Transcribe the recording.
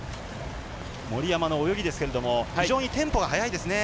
森山の泳ぎですけれども非常にテンポが速いですね。